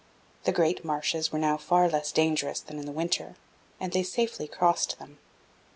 The great marshes were now far less dangerous than in the winter, and they safely crossed them.